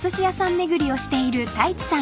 巡りをしている太一さん］